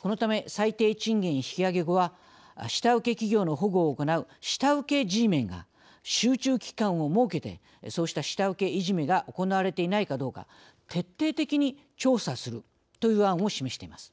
このため最低賃金引き上げ後は下請け企業の保護を行う下請けＧメンが集中期間を設けてそうした下請けいじめが行われていないかどうか徹底的に調査するという案を示しています。